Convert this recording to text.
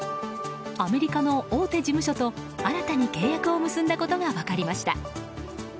アメリカの大手事務所と新たに契約を結んだことが分かりました。